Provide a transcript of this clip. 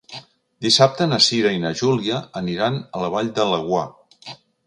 Dissabte na Cira i na Júlia aniran a la Vall de Laguar.